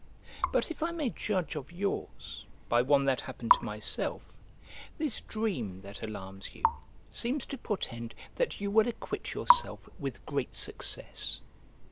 But if I may judge of yours by one that happened to myself, this dream that alarms you seems to portend that you will acquit yourself with great success.